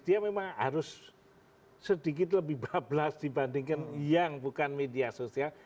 dia memang harus sedikit lebih bablas dibandingkan yang bukan media sosial